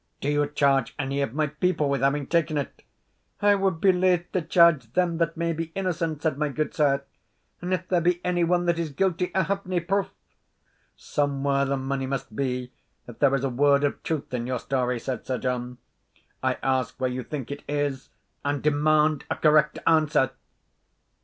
"Do you charge any of my people with having taken it?" "I wad be laith to charge them that may be innocent," said my gudesire; "and if there be any one that is guilty, I have nae proof." "Somewhere the money must be, if there is a word of truth in your story," said Sir John; "I ask where you think it is and demand a correct answer!"